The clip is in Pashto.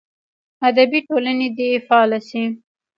ادبي ټولنې دې فعاله سي.